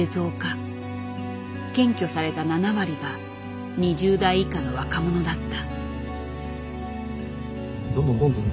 検挙された７割が２０代以下の若者だった。